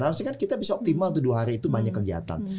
harusnya kan kita bisa optimal tuh dua hari itu banyak kegiatan